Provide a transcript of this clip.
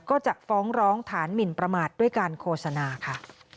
ก็จะฟ้องร้องฐานหมินประมาทด้วยการโฆษณาค่ะ